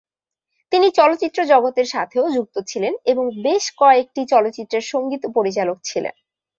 তিনি চলচ্চিত্র জগতের সাথেও যুক্ত ছিলেন এবং বেশ কয়েকটি চলচ্চিত্রের সংগীত পরিচালক ছিলেন।